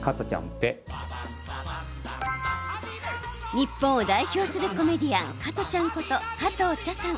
日本を代表するコメディアン加トちゃんこと、加藤茶さん。